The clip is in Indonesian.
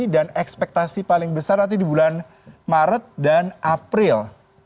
dan ekspektasi paling besar nanti di bulan maret dan april